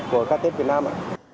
của các tết việt nam